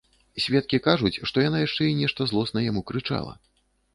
Сведкі кажуць, што яна яшчэ і нешта злосна яму крычала.